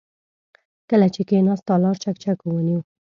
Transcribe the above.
کله چې کېناست، تالار چکچکو ونيو.